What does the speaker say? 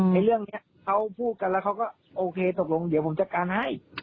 ในเรื่องนี้เขาพูดกันแล้วเขาก็โอเคตกลงเดี๋ยวผมจัดการให้